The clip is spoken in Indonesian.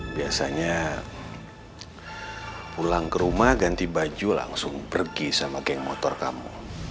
biasanya pulang ke rumah ganti baju langsung pergi sama geng motor kamu